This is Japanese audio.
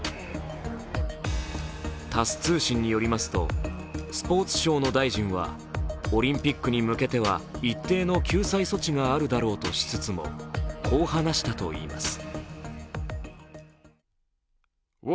タス通信によりますと、スポーツ省の大臣はオリンピックに向けては一定の救済措置があるだろうとしつつもこう話したといいます。